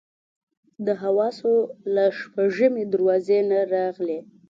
د حواسو له شپږمې دروازې نه راغلي.